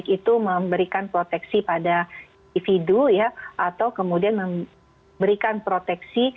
itu memberikan proteksi pada individu ya atau kemudian memberikan proteksi